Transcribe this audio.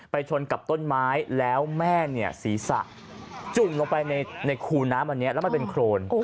ชนกับต้นไม้แล้วแม่เนี่ยศีรษะจุ่มลงไปในคูน้ำอันนี้แล้วมันเป็นโครน